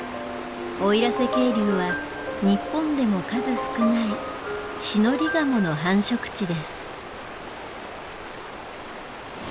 奥入瀬渓流は日本でも数少ないシノリガモの繁殖地です。